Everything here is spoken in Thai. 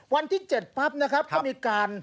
วันที่๗ปั๊บนะครับก็มีการ